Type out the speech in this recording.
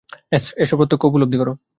S, প্রত্যক্ষ উপলব্ধি কর।